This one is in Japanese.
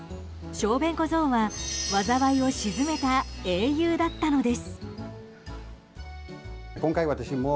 小便小僧は災いを鎮めた英雄だったのです。